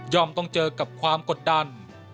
ต้องเจอกับความกดดัน